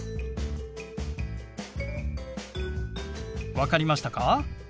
分かりましたか？